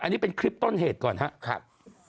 อันนี้เป็นคลิปต้นเหตุก่อนครับ